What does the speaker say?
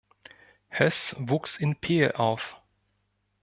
Hoess wuchs in Pähl auf.